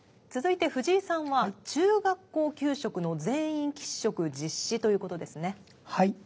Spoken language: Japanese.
続いてふじいさんは「中学校給食の全員喫食実施」という事ですね。